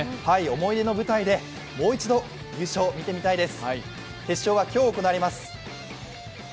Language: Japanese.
思い出の舞台でもう一度、優勝を見てみたいです。